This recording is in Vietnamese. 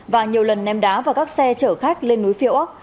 và nhiều lần ném đá vào các xe chở khách lên núi phiêu ốc